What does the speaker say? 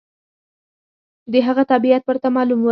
د هغه طبیعت ورته معلوم و.